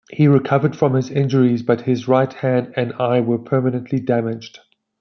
He recovered from his injuries, but his right hand and eye were permanently damaged.